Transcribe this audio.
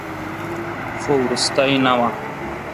خو وروستۍ نه وه.